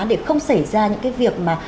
để không xảy ra những cái việc mà